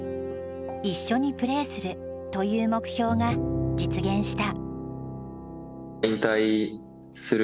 一緒にプレーするという目標が実現した。